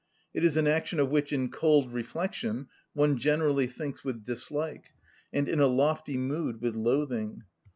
It is an action of which in cold reflection one generally thinks with dislike, and in a lofty mood with loathing.